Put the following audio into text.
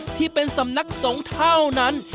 ที่เป็นสำนักสงฆ์เท่านั้น